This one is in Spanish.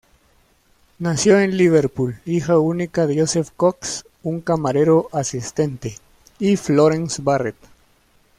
Nació en Liverpool, hija única de Joseph Cox, un camarero asistente, y Florence Barrett.